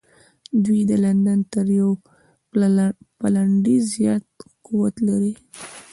دوی د لندن تر یوه پلنډي زیات قوت لري.